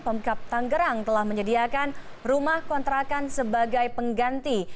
pemkap tanggerang telah menyediakan rumah kontrakan sebagai pengganti